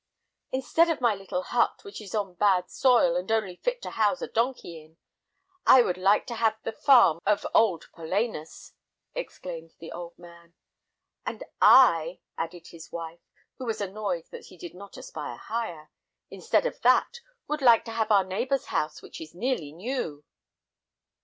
"Instead of my little hut, which is on bad soil, and only fit to house a donkey in, I would like to have the farm of old Polainas!" exclaimed the old man. "And I," added his wife, who was annoyed that he did not aspire higher, "instead of that, would like to have our neighbor's house, which is nearly new."